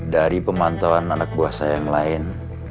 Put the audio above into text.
dari pemantauan anak buah saya yang lain